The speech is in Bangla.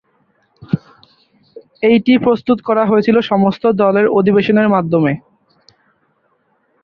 এইটি প্রস্তুত করা হয়েছিল সমস্ত দলের অধিবেশনের মাধ্যমে।